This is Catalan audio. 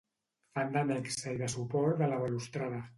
Fan de nexe i de suport de la balustrada.